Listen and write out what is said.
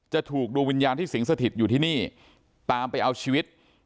จะถูกดวงวิญญาณที่สิงสถิตอยู่ที่นี่ตามไปเอาชีวิต